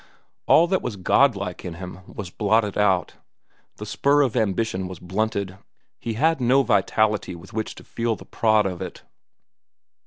All that was god like in him was blotted out. The spur of ambition was blunted; he had no vitality with which to feel the prod of it.